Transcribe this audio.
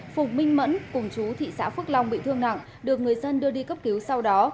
phùng minh mẫn cùng chú thị xã phước long bị thương nặng được người dân đưa đi cấp cứu sau đó